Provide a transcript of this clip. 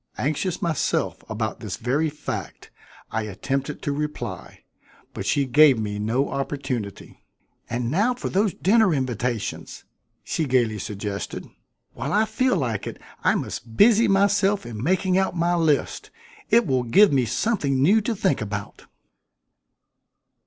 Anxious myself about this very fact, I attempted to reply, but she gave me no opportunity. "And now for those dinner invitations!" she gaily suggested. "While I feel like it I must busy myself in making out my list. It will give me something new to think about."